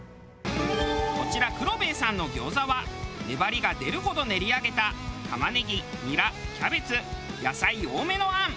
こちら黒兵衛さんの餃子は粘りが出るほど練り上げたタマネギニラキャベツ野菜多めのあん。